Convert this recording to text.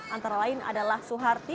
antara lain adalah suharti